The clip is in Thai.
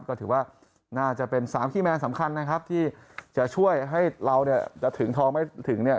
ก็ถือว่าน่าจะเป็น๓ขี้แมนสำคัญนะครับที่จะช่วยให้เราเนี่ยจะถึงทองไม่ถึงเนี่ย